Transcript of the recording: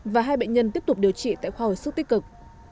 và hai bệnh nhân tiếp tục điều trị tại khoa hồi sức tích cực